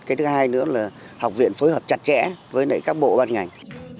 cái thứ hai nữa là học viện phối hợp chặt chẽ với các bộ ban ngành